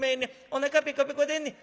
おなかペコペコでんねん。